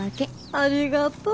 ありがとう。